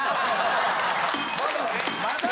・まだ？